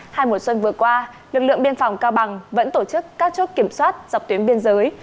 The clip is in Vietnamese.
hai mùa xuân vừa qua lực lượng biên phòng cao bằng vẫn tổ chức các chốt kiểm soát dọc tuyến biên giới